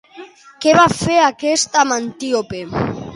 Què va fer aquest amb Antíope?